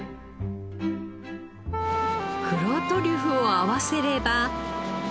黒トリュフを合わせれば。